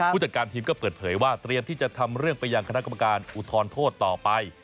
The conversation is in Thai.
ผู้จัดการทีมก็เปิดเผยว่าเตรียมที่จะทำเรื่องไปยังคณะกรรมการอุทธรณโทษต่อไป